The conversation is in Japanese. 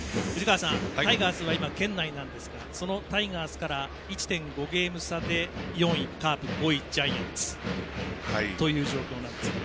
タイガースは圏内なんですがそのタイガースから１．５ゲーム差で４位、カープ５位、ジャイアンツという状況なんですね。